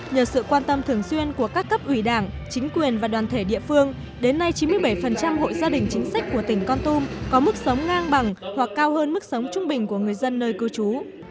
nhờ sự quan tâm thường xuyên của các cấp ủy đảng chính quyền và đoàn thể địa phương đến nay chín mươi bảy hộ gia đình chính sách của tỉnh con tum có mức sống ngang bằng hoặc cao hơn mức sống trung bình của người dân nơi cư trú